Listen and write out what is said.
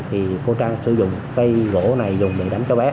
thì cô trang sử dụng cây gỗ này dùng để đánh cho bé